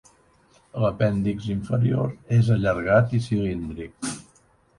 L'apèndix inferior és allargat i cilíndric.